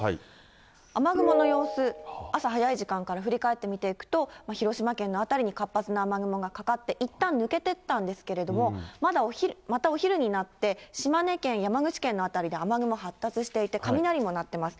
雨雲の様子、朝早い時間から振り返って見ていくと、広島県の辺りに活発な雨雲がかかって、いったん抜けてったんですけれども、またお昼になって、島根県、山口県の辺りで雨雲発達していて、雷も鳴ってます。